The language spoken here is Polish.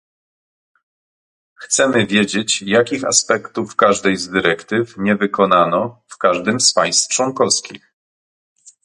Chcemy wiedzieć, jakich aspektów każdej z dyrektyw nie wykonano w każdym z państw członkowskich